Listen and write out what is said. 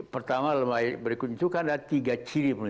pertama lembaga berikut itu kan ada tiga ciri